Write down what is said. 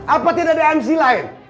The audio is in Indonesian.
apa tidak ada mc lain